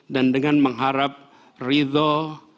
dan dengan mengharap rizal